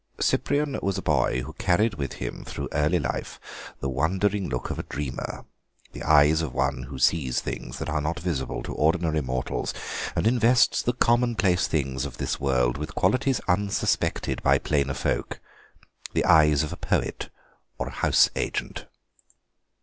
Cyprian was a boy who carried with him through early life the wondering look of a dreamer, the eyes of one who sees things that are not visible to ordinary mortals, and invests the commonplace things of this world with qualities unsuspected by plainer folk—the eyes of a poet or a house agent.